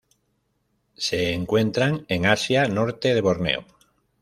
Se encuentran en Asia: norte de Borneo.